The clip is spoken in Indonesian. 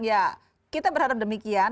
ya kita berharap demikian